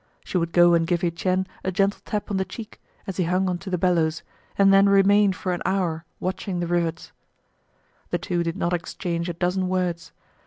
She would go and give Etienne a gentle tap on the cheek, as he hung on to the bellows, and then remain for an hour watching the rivets. The two did not exchange a dozen words.